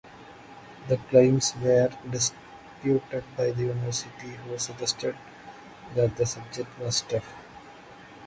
The claims were disputed by the university who suggested that the subject was "tough".